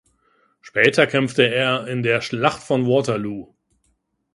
Später kämpfte er in der Schlacht von Waterloo.